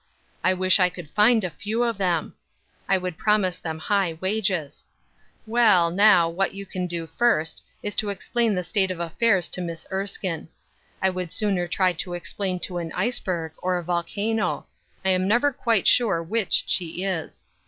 I wish I could find a few of them I I would promise them high wages. Well, now, what you can do first, is to explain the state of affairs to Miss Erskine. I would sooner try to explain to an iceberg, or a volcano — I am never quite sure which she is.